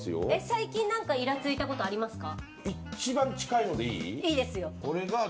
最近、何かイラついたことありますか？